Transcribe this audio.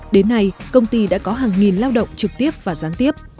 đến nay công ty đã có hàng nghìn lao động trực tiếp và gián tiếp